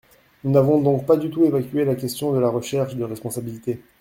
Nous n’avons donc pas du tout évacué la question de la recherche de responsabilité.